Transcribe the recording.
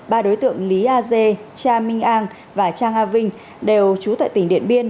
ba đối tượng lý a dê cha minh an và cha a vinh đều trú tại tỉnh điện biên